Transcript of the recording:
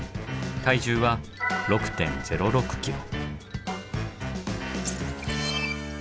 体重は６．０６ｋｇ。